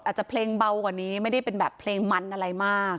อาจจะเพลงเบากว่านี้ไม่ได้เป็นแบบเพลงมันอะไรมาก